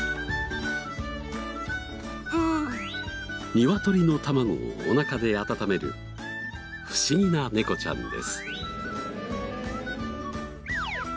ニワトリの卵をおなかで温める不思議な猫ちゃんです。